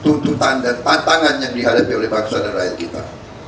tuntutan dan tantangan yang dihadapi oleh bangsa dan rakyat kita